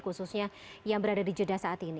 khususnya yang berada di jeddah saat ini